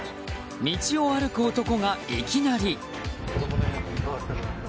道を歩く男がいきなり。